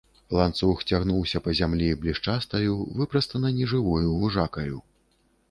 Ланцуг цягнуўся па зямлі блішчастаю, выпрастана нежывою вужакаю.